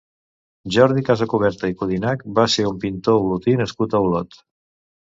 Jordi Casacuberta i Codinach va ser un pintor olotí nascut a Olot.